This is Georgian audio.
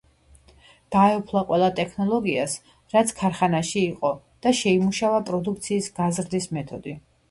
დაეუფლა ყველა ტექნოლოგიას, რაც ქარხანაში იყო და შეიმუშავა პროდუქციის გაზრდის მეთოდი.